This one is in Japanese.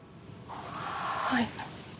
はい。